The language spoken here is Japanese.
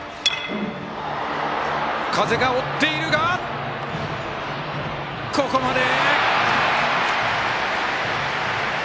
風が追っているが、ここまで。